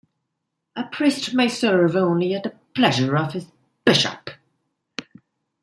A priest may serve only at the pleasure of his bishop.